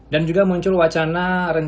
dan juga muncul wacana